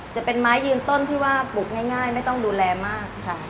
จะเป็นไม้ยืนต้นที่ว่าปลูกง่ายไม่ต้องดูแลมากค่ะ